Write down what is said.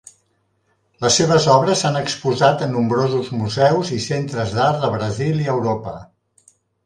Les seves obres s'han exposat en nombrosos museus i centres d'art de Brasil i Europa.